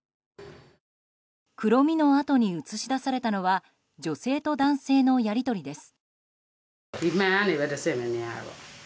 黒味のあとに映し出されたのは女性と男性のやり取りです。